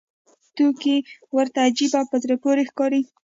توکي ورته عجیبه او په زړه پورې ښکاري